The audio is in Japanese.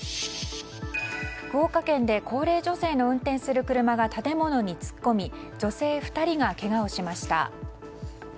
福岡県で高齢女性の運転する車が建物に突っ込み女性２人がけがをしました。